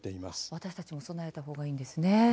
私たちも備えた方がいいんですね。